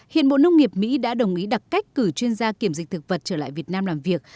hiện bộ nông nghiệp mỹ đã đồng ý đặt cách cử chuyên gia kiểm dịch thực vật trở lại việt nam làm việc